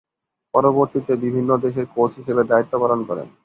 পরবর্তীতে বিভিন্ন দেশের কোচ হিসেবে দায়িত্ব পালন করেন।